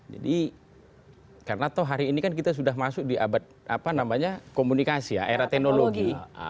jadi karena tau hari ini kan kita sudah masuk di abad komunikasi ya era teknologi